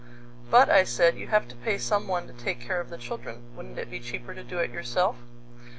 "But," I said, "you have to pay some one to take care of the children. "Wouldn't it be cheaper to do it yourself?"